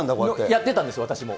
やってたんですよ、私も。